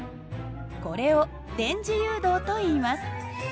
これを電磁誘導といいます。